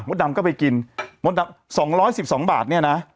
มดดำก็ไปกินมดดำสองร้อยสิบสองบาทเนี้ยนะ